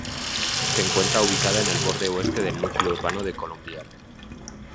Se encuentra ubicada en el borde oeste del núcleo urbano de Colombier.